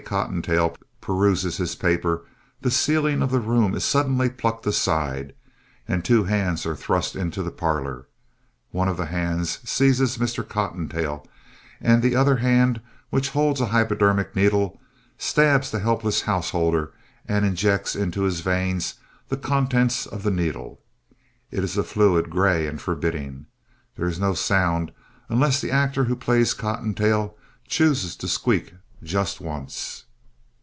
Cottontail peruses his paper the ceiling of the room is suddenly plucked aside and two hands are thrust into the parlor. One of the hands seizes Mr. Cottontail, and the other hand, which holds a hypodermic needle, stabs the helpless householder and injects into his veins the contents of the needle. It is a fluid gray and forbidding. There is no sound unless the actor who plays Cottontail chooses to squeak just once.